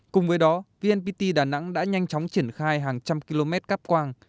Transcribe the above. cùng với đó vnpt đà nẵng đã nhanh chóng triển khai hàng trăm km cắp quang